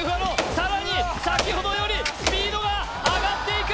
さらに先ほどよりスピードが上がっていく！